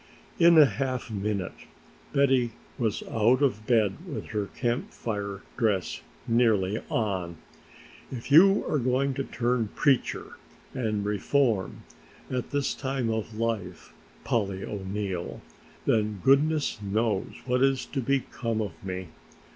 In a half minute Betty was out of bed with her Camp Fire dress nearly on. "If you are going to turn preacher and reform at this time of life, Polly O'Neill, then goodness knows what is to become of me!